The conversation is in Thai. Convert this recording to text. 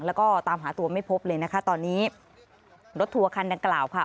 แล้วก็ตามหาตัวไม่พบเลยนะคะตอนนี้รถทัวร์คันดังกล่าวค่ะ